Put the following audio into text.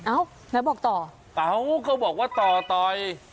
เอ้าแล้วบอกต่อเอ้าก็บอกว่าต่อต่อย